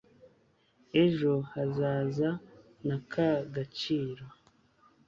ejo hazaza na ka gaciro